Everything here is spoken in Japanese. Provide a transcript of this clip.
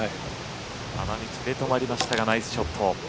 花道で止まりましたがナイスショット。